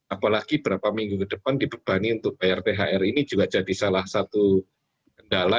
apalagi berapa minggu ke depan dibebani untuk bayar thr ini juga jadi salah satu kendala